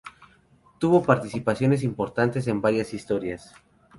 Tuvo participaciones importantes en varias historias.